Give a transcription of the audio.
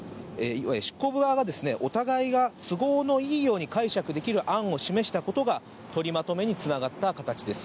執行部側が、お互いが都合のいいように解釈できる案を示したことが、取りまとめにつながった形です。